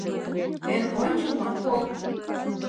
Эн ончылно — поп.